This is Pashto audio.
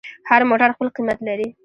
هر موټر خپل قیمت لري.